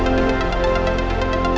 ya sudah tuh tuan